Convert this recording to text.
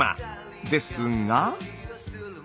ですが。